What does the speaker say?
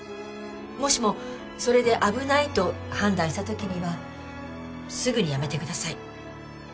もしもそれで危ないと判断したときにはすぐに辞めてください。